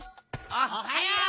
おはよう！